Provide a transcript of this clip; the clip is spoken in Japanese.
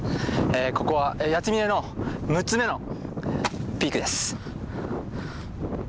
ここは八ツ峰の６つ目のピークです。